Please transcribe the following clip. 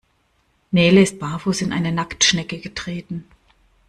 Nele ist barfuß in eine Nacktschnecke getreten.